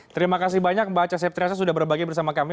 terima kasih banyak mbak aca septriasa sudah berbagi bersama kami